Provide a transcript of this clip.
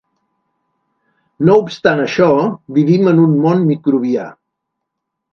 No obstant això, vivim en un món microbià.